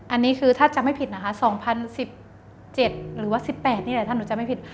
อันนี้คือถ้าจำไม่ผิดนะคะ๒๐๑๗หรือว่า๑๘นี่แหละถ้าหนูจำไม่ผิด